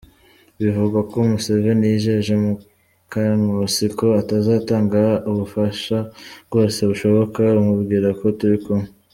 Bivugwa ko Museveni yijeje Mukankusi ko azatanga ubufasha bwose bushoboka, amubwira ko ‘turikumwe’.